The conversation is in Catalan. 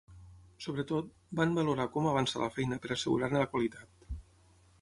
Sobretot, van valorar com avança la feina per assegurar-ne la qualitat.